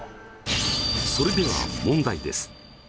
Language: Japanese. それでは問題です。